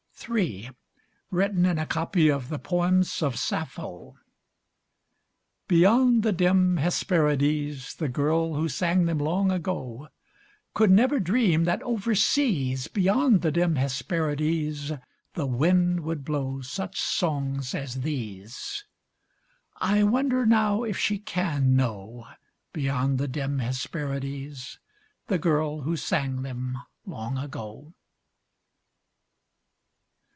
III (Written in a copy of "The Poems of Sappho".) Beyond the dim Hesperides, The girl who sang them long ago Could never dream that over seas, Beyond the dim Hesperides, The wind would blow such songs as these I wonder now if she can know, Beyond the dim Hesperides, The girl who sang them long ago?